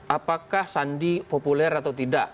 apakah sandi populer atau tidak